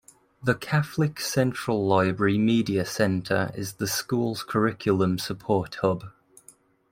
The Catholic Central Library Media Center is the school's curriculum support hub.